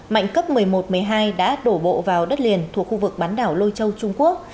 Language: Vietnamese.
mạnh cấp một mươi một một mươi hai đã đổ bộ vào đất liền thuộc khu vực bán đảo lôi châu trung quốc